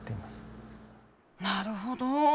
なるほど。